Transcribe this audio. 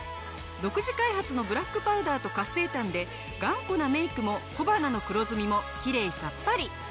独自開発のブラックパウダーと活性炭で頑固なメイクも小鼻の黒ずみもきれいさっぱり！